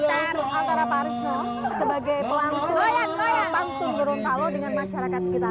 antara pak risno sebagai pelantun pantun gorontalo dengan masyarakat sekitarnya